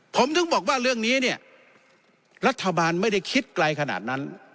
ผมถึงบอกว่าเรื่องนี้เนี่ยรัฐบาลไม่ได้คิดไกลขนาดนั้น